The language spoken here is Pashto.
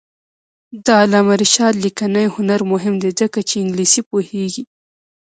د علامه رشاد لیکنی هنر مهم دی ځکه چې انګلیسي پوهېږي.